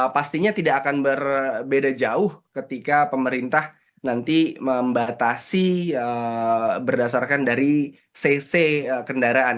pastinya tidak akan berbeda jauh ketika pemerintah nanti membatasi berdasarkan dari cc kendaraan